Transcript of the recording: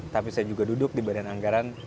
tapi saya juga duduk di badan anggaran